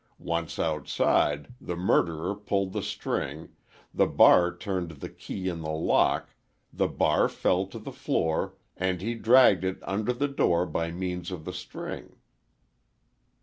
Once outside, the murderer pulled the string, the bar turned the key in the lock, the bar fell to the floor and he dragged it under the door by means of the string."